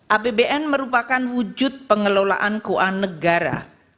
apbn merupakan wujud pengelolaan keuangan negara